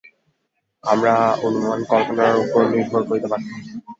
আমরা অনুমান-কল্পনার উপর নির্ভর করিতে বাধ্য।